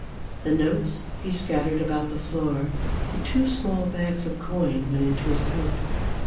The notes he scattered about the floor j but two small bags of coin went into his coat.